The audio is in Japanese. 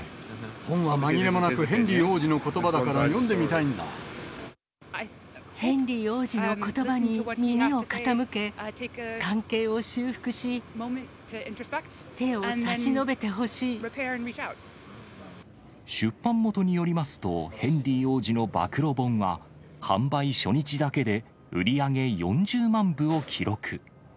本は紛れもなくヘンリー王子のこヘンリー王子のことばに耳を傾け、関係を修復し、出版元によりますと、ヘンリー王子の暴露本は、販売初日だけで売り上げ４０万部を記録。